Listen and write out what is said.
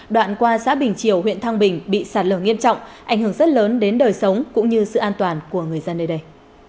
đoạn qua xã bình triều huyện thăng bình bị sạt lở nghiêm trọng ảnh hưởng rất lớn đến đời sống cũng như sự an toàn của người dân nơi đây